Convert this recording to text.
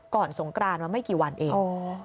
สงกรานมาไม่กี่วันเอง